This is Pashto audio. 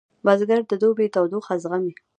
بزګر د دوبي تودوخه زغمي